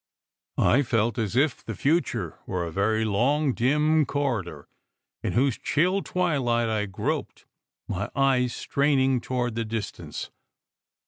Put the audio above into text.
I felt as if the future were a very long, dim corridor, in whose chill twilight I groped, my eyes straining toward the distance.